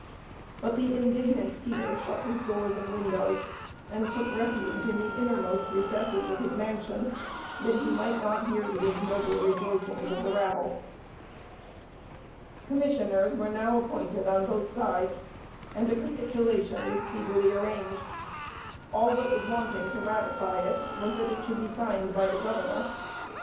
But the indignant Peter shut his doors and windows, and took refuge in the innermost recesses of his mansion, that he might not hear the ignoble rejoicings of the rabble. Commissioners were now appointed on both sides, and a capitulation was speedily arranged; all that was wanting to ratify it was that it should be signed by the governor.